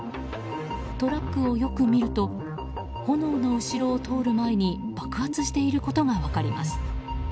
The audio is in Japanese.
トラックをよく見ると炎の後ろを通る前に爆発していることが分かります。